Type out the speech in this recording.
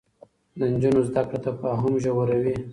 د نجونو زده کړه تفاهم ژوروي.